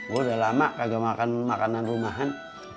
gue udah lama kagak makan makanan rumahan